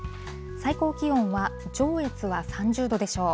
最高気温は、上越は３０度でしょう。